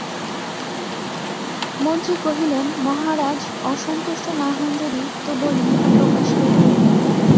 মন্ত্রী কহিলেন, মহারাজ, অসন্তুষ্ট না হন যদি তো বলি ইহা প্রকাশ হইবেই।